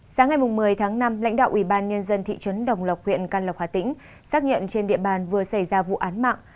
sáng ngày một mươi tháng năm lãnh đạo ubnd thị trấn đồng lộc huyện can lộc hà tĩnh xác nhận trên địa bàn vừa xảy ra vụ án mạng